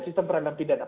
sistem perandang pidana